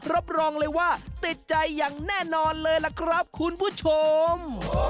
รับรองเลยว่าติดใจอย่างแน่นอนเลยล่ะครับคุณผู้ชม